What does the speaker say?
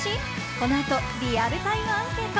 このあとリアルタイムアンケート。